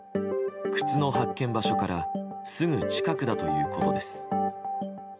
靴の発見場所からすぐ近くだということです。